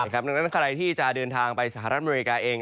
ดังนั้นใครที่จะเดินทางไปสหรัฐอเมริกาเอง